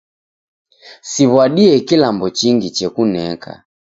Siw'adie kilambo chingi chekuneka.